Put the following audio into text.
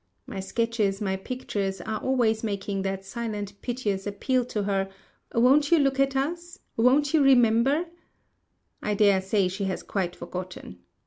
My sketches, my pictures, are always making that silent piteous appeal to her, Won't you look at us? won't you remember? I dare say she has quite forgotten.